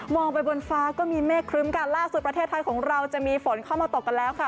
ไปบนฟ้าก็มีเมฆครึ้มกันล่าสุดประเทศไทยของเราจะมีฝนเข้ามาตกกันแล้วค่ะ